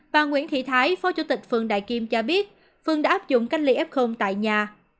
bà nguyễn thị thái phó chủ tịch phường đại kim cho biết phương đã áp dụng cách ly f tại nhà